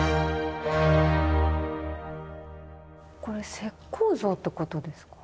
これ石膏像ってことですか？